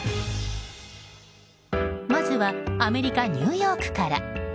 まずはアメリカ・ニューヨークから。